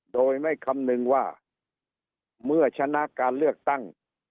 โดยไม่คำนึงว่าเมื่อชนะการเลือกตั้ง